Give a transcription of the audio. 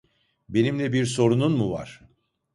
Benimle bir sorunun mu var?